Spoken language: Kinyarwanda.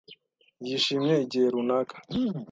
Yishimye igihe runaka.